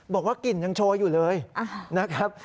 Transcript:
บอกว่ากลิ่นยังโชว์อยู่เลยนะครับ